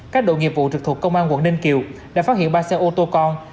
các đội nghiệp vụ trực thuộc công an quận ninh kiều đã phát hiện ba xe ô tô con